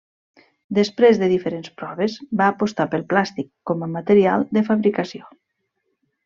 Després de diferents proves, va apostar pel plàstic com a material de fabricació.